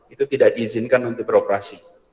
itu tidak diizinkan untuk beroperasi